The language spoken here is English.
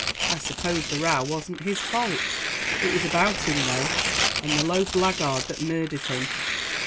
I suppose the row wasn't his fault." "It was about him though, and the low blackguard that murdered him.